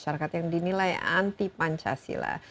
masyarakat yang dinilai anti pancasila